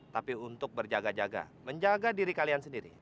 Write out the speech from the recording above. tapi untuk berjaga jaga menjaga diri kalian sendiri